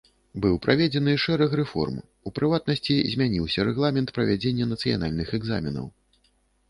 Быў праведзены шэраг рэформ, у прыватнасці змяніўся рэгламент правядзення нацыянальных экзаменаў.